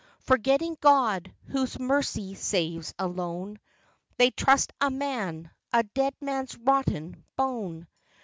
Forgetting God, whose mercy saves alone, They trust a man, a dead man's rotten bone.